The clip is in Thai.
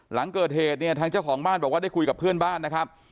หลังเกิดเหตุเนี่ยทางเจ้าของบ้านบอกว่าได้คุยกับเพื่อนบ้านนะครับ